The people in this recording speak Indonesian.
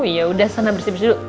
oh yaudah sana bersih bersih dulu